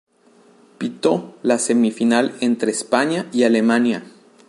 Pitó la semifinal entre España y Alemania.